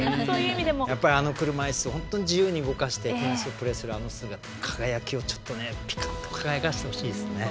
やっぱり、あの車いすを本当に自由に動かしてテニスをプレーするあの姿輝きをピカッと輝かせてほしいですね。